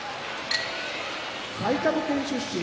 埼玉県出身